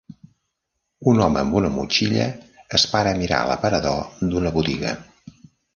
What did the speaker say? Un home amb una motxilla es para a mirar l'aparador d'una botiga.